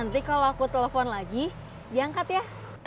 nanti kalau aku telepon lagi diangkat ya